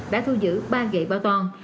đã thu giữ ba gậy bao toan